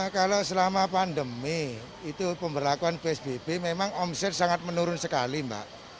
kalau selama pandemi itu pemberlakuan psbb memang omset sangat menurun sekali mbak